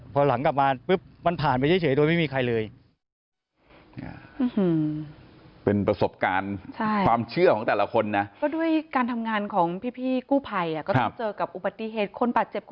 สวัสดีครับ